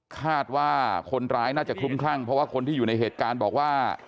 คาดว่าคนร้ายน่าจะคลุ้มคลั่งเพราะว่าคนที่อยู่ในเหตุการณ์บอกว่า